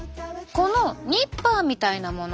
このニッパーみたいなもの。